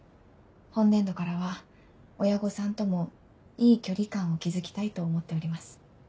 本年度からは親御さんともいい距離感を築きたいと思っております。